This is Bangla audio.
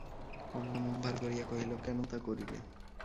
কমলা মুখ ভার করিয়া কহিল, কেন তা করিলে?